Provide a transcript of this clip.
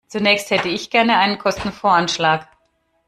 Zunächst hätte ich gerne einen Kostenvoranschlag.